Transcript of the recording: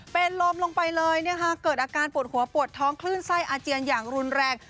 เป็นลมลงไปเลยนะคะเกิดอาการปวดหัวปวดท้องคลื่นไส้อาเจียนอย่างรุนแรง